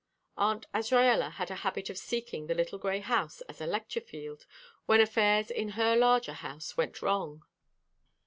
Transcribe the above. Aunt Azraella had a habit of seeking the little grey house as a lecture field when affairs in her larger house went wrong.